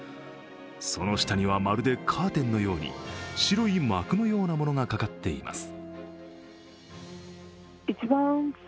その下には、まるでカーテンのように白い幕のようなものがかかっています。